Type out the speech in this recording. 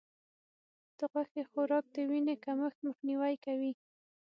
د غوښې خوراک د وینې کمښت مخنیوی کوي.